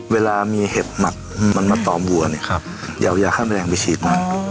เวลามีเเห็บหมากมาตอมวัวหยาวยาข้ามแมลงไปฉีดมัน